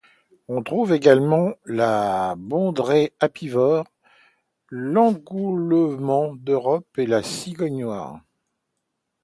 On trouve également la Bondrée apivore, l’Engoulevent d'Europe ou la Cigogne noire.